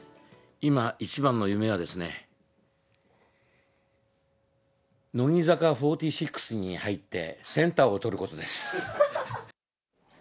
今、一番の夢は、乃木坂４６に入って、センターを取ることです。